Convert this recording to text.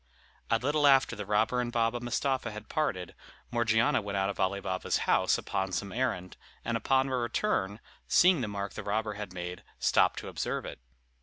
A little after the robber and Baba Mustapha had parted, Morgiana went out of Ali Baba's house upon some errand, and upon her return, seeing the mark the robber had made, stopped to observe it.